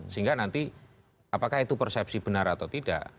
sehingga nanti apakah itu persepsi benar atau tidak